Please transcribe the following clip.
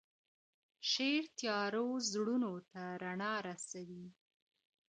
شعر تیارو زړونو ته رڼا رسوي.